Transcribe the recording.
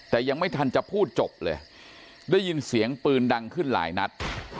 แต่ยังไม่ทันจะพูดจบเลยได้ยินเสียงปืนดังขึ้นหลายนัด